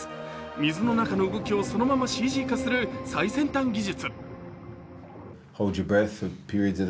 水の中の動きをそのままＣＧ化する最先端技術。